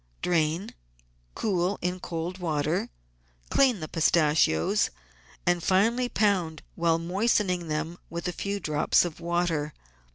Drain, cool in cold water, clean the pistachios, and finely pound while moistening them with a few drops of water.